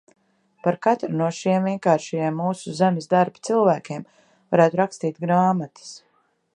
Par katru no šiem vienkāršajiem mūsu zemes darba cilvēkiem varētu rakstīt grāmatas.